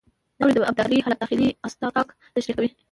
د خاورې د ابدارۍ حالت داخلي اصطکاک تشریح کوي